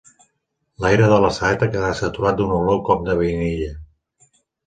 L'aire de la saleta quedà saturat d'una olor com de vainilla.